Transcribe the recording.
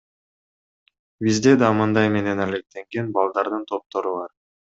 Бизде да мындай менен алектенген балдардын топтору бар.